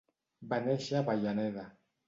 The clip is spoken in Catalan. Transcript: Va néixer a Avellaneda.